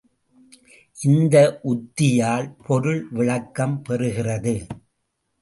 இந்த உத்தியால் பொருள் விளக்கம் பெறுகிறது.